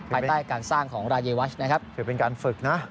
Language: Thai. ภายใต้การสร้างของรายวัชนะครับถือเป็นการฝึกนะ